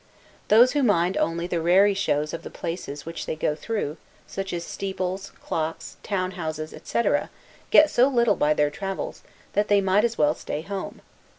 Those who only mind the raree shows of the places which they go through, such as steeples, clocks, town houses, etc., get so little by their travels, that they might as well stay at home.